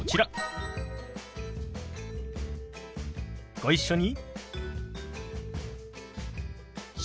ご一緒に。